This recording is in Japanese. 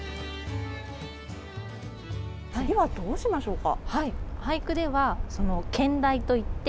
次はどうしましょうか？